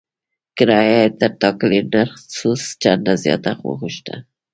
کرایه یې تر ټاکلي نرخ څو چنده زیاته وغوښته.